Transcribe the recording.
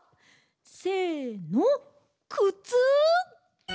せのくつ！